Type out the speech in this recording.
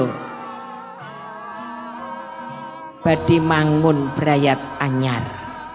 hai badi manggun berayat anjar